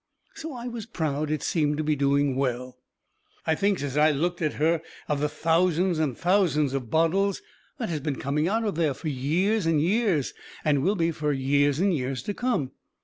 So I was proud it seemed to be doing so well. I thinks as I looks at her of the thousands and thousands of bottles that has been coming out of there fur years and years, and will be fur years and years to come.